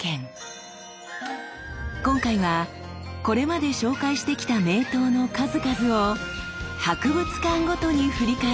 今回はこれまで紹介してきた名刀の数々を博物館ごとに振り返ります。